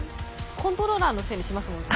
コントローラーのせいにしますもんね。